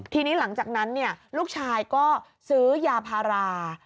ทีนี้หลังจากนั้นลูกชายก็ซื้อยาพารา